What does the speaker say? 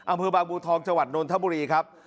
อังพื้นบางบูทองจวัตน์นนทบุรีครับ